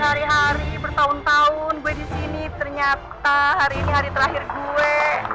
berhari hari bertahun tahun gue disini ternyata hari ini hari terakhir gue